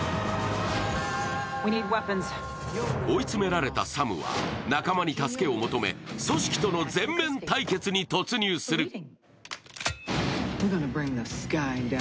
追い詰められたサムは仲間に助けを求め組織との全面対決に突入する。